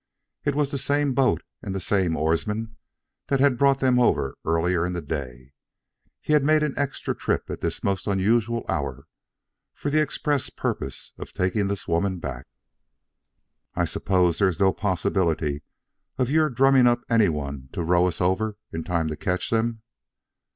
It was the same boat and the same oarsman that had brought them over earlier in the day. He had made an extra trip at this most unusual hour, for the express purpose of taking this woman back. "I suppose there is no possibility of your drumming up anyone to row us over in time to catch them?"